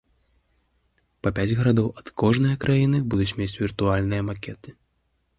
Па пяць гарадоў ад кожнай краіны будуць мець віртуальныя макеты.